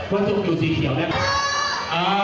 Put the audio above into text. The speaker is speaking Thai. วันสุดอยู่สีเขียวได้ป่ะ